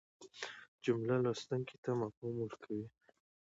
جمله لوستونکي ته مفهوم ورکوي.